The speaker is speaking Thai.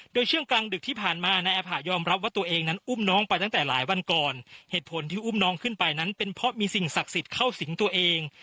โดยช่วงกลางดึกที่ผ่านมานายอาผะยอมรับว่าตัวเองนั้นอุ้มน้องไปตั้งแต่หลายวันก่อนเหตุผลที่อุ้มน้องขึ้นไปนั้นเป็นเพราะมีสิ่งศักดิ์สิทธิ์เข้าสิงตัวเอง